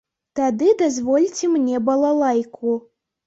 Тады дазвольце мне балалайку.